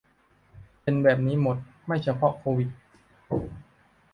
เป็นแบบนี้หมด ไม่เฉพาะโควิด